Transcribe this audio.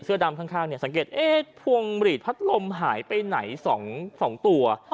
เสื้อดำข้างเนี่ยสังเกตเอ๊ะพวงหลีดพัดลมหายไปไหนสองสองตัว